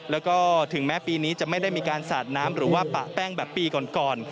แล้วก็ถึงแม้ปีนี้จะไม่ได้มีการสาดน้ำหรือว่าปะแป้งแบบปีก่อน